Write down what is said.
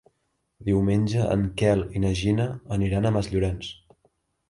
Diumenge en Quel i na Gina aniran a Masllorenç.